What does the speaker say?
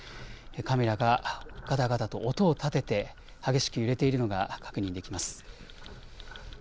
カメラがガタガタと音を立てて激しく揺れているのが確認できます。